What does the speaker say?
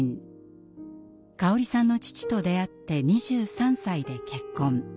香織さんの父と出会って２３歳で結婚。